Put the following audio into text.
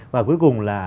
và cuối cùng là